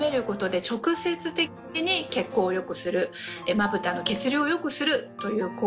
まぶたの血流を良くするという効果。